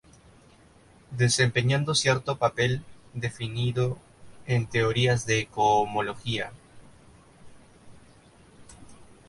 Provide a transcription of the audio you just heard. Desempeñando cierto papel definido en teorías de cohomología.